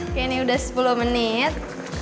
oke ini udah sepuluh menit